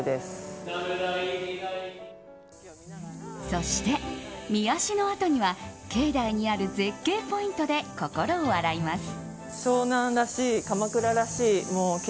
そして、御足のあとには境内にある絶景ポイントで心を洗います。